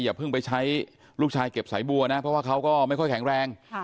อย่าเพิ่งไปใช้ลูกชายเก็บสายบัวนะเพราะว่าเขาก็ไม่ค่อยแข็งแรง